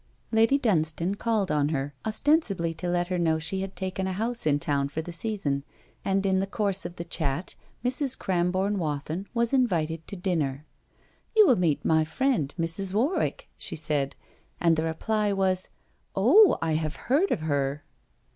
Lady Dunstane called on her, ostensibly to let her know she had taken a house in town for the season, and in the course of the chat Mrs. Cramborne Wathin was invited to dinner. 'You will meet my dear friend, Mrs. Warwick,' she said, and the reply was: 'Oh, I have heard of her.'